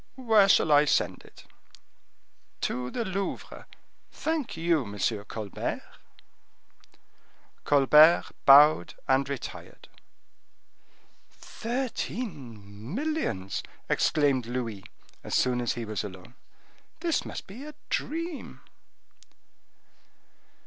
"Where shall I send it?" "To the Louvre. Thank you, M. Colbert." Colbert bowed and retired. "Thirteen millions!" exclaimed Louis, as soon as he was alone. "This must be a dream!"